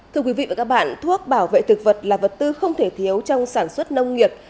thưa quý vị và các bạn thuốc bảo vệ thực vật là vật tư không thể thiếu trong sản xuất nông nghiệp